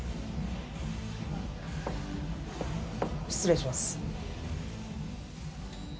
失礼します。